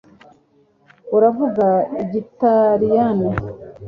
uravuga igitaliyani